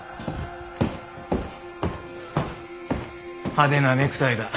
派手なネクタイだ。